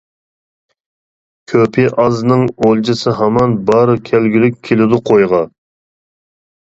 كۆپى ئازنىڭ ئولجىسى ھامان، بار كەلگۈلۈك كېلىدۇ قويغا.